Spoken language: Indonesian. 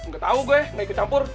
gak tau gue gak ikut campur